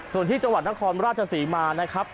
ส่วนที่จังหวัดนครราชศรีมานะครับ